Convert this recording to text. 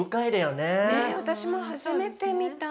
ねっ私も初めて見た。